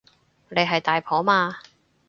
你係大婆嘛